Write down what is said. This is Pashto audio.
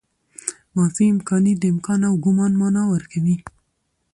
ماضي امکاني د امکان او ګومان مانا ورکوي.